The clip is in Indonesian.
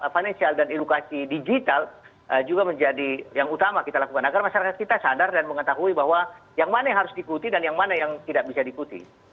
financial dan edukasi digital juga menjadi yang utama kita lakukan agar masyarakat kita sadar dan mengetahui bahwa yang mana yang harus diikuti dan yang mana yang tidak bisa diikuti